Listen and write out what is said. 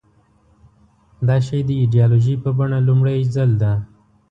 دا شی د ایدیالوژۍ په بڼه لومړي ځل ده.